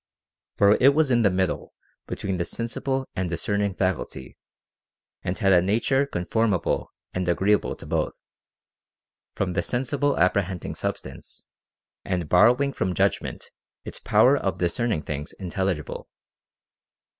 For it was in the middle between the sensible and discerning faculty, and had a nature conforma ble and agreeable to both ; from the sensible apprehending substance, and borrowing from judgment its power of dis cerning things intelligible.